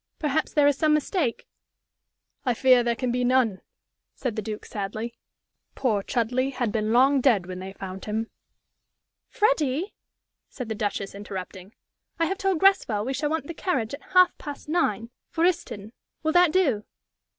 Perhaps there is some mistake?" "I fear there can be none," said the Duke, sadly. "Poor Chudleigh had been long dead when they found him." "Freddie," said the Duchess, interrupting, "I have told Greswell we shall want the carriage at half past nine for Euston. Will that do?"